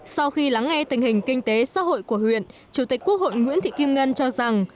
sau khi lắng nghe tình hình kinh tế xã hội của huyện chủ tịch quốc hội nguyễn thị kim ngân cho rằng